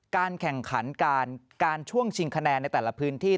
การแข่งขันการช่วงชิงคะแนนในแต่ละพื้นที่